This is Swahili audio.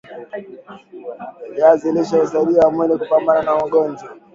viazi lishe husaidia mwili kupambana na magojwa